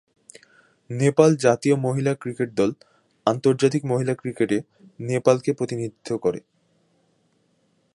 নেপাল জাতীয় মহিলা ক্রিকেট দল, আন্তর্জাতিক মহিলা ক্রিকেটে নেপালকে প্রতিনিধিত্ব করে।